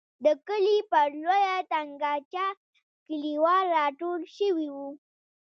د کلي پر لویه تنګاچه کلیوال را ټول شوي وو.